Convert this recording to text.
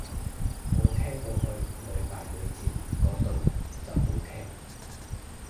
我聽到去屢敗屢戰個到就冇聽